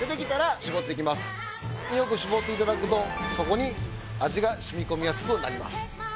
よく絞っていただくとそこに味が染み込みやすくなります。